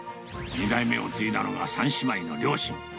２代目を継いだのが３姉妹の両親。